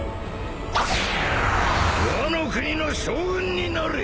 ワノ国の将軍になれ！